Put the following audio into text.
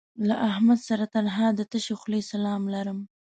له احمد سره تنها د تشې خولې سلام لرم